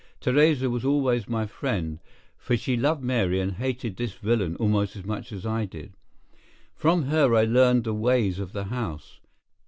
Theresa was always my friend, for she loved Mary and hated this villain almost as much as I did. From her I learned the ways of the house.